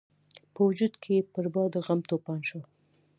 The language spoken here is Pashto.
په وجود کې یې برپا د غم توپان شو.